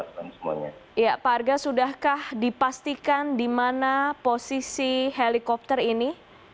pak arga sudahkah dipastikan di mana posisi helikopter ini